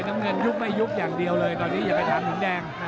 น้ำเงินยุบไม่ยุบอย่างเดียวเลยตอนนี้อย่าไปถามถึงแดง